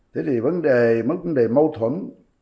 thế thì vấn đề mâu thuẫn